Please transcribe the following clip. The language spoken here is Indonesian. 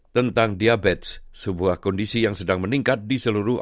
tentang diabetes sebuah kondisi yang sedang meningkat di seluruh indonesia